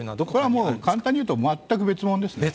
これはもう簡単に言うと全く別物。